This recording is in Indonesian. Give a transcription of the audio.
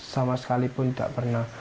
sama sekalipun nggak pernah